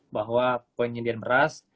bahwa penyediaan beras